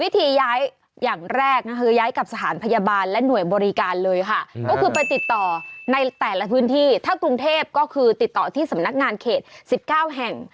ย้ายอย่างแรกนะคะย้ายกับสถานพยาบาลและหน่วยบริการเลยค่ะก็คือไปติดต่อในแต่ละพื้นที่ถ้ากรุงเทพก็คือติดต่อที่สำนักงานเขต๑๙แห่ง